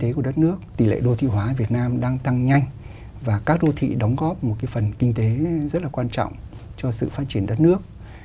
kinh tế của đất nước tỷ lệ đô thị hóa việt nam đang tăng nhanh và các đô thị đóng góp một phần kinh tế rất là quan trọng cho sự phát triển đất nước